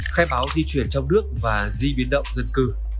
khai báo di chuyển trong nước và di biến động dân cư